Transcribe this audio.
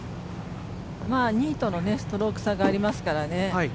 ２位とのストローク差がありますからね